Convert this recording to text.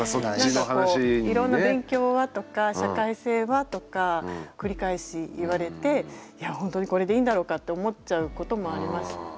「いろんな勉強は？」とか「社会性は？」とか繰り返し言われて「いやほんとにこれでいいんだろうか」って思っちゃうこともありましたね。